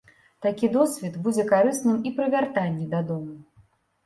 Такі досвед будзе карысным і пры вяртанні дадому.